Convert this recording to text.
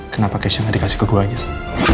kenapa keisha gak dikasih ke gue aja sa